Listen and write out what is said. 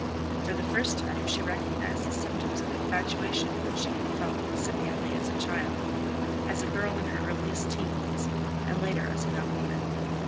For the first time she recognized the symptoms of infatuation which she had felt incipiently as a child, as a girl in her earliest teens, and later as a young woman.